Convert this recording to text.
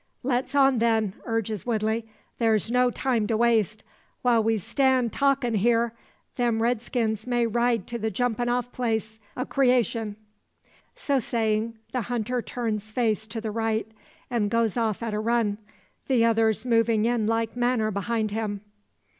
"Let's on, then!" urges Woodley. "Thar's no time to waste. While we stan' talkin' hyar, them redskins may ride to the jumpin' off place o' creashun." So saying, the hunter turns face to the right, and goes off at a run, the others moving in like manner behind him.